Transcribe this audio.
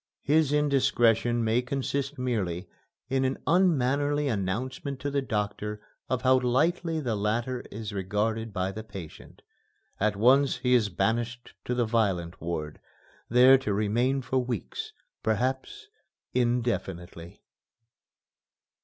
His indiscretion may consist merely in an unmannerly announcement to the doctor of how lightly the latter is regarded by the patient. At once he is banished to the violent ward, there to remain for weeks, perhaps indefinitely.